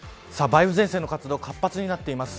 梅雨前線の活動が活発になっています。